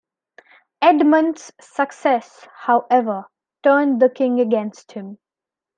Edmund's success, however, turned the king against him.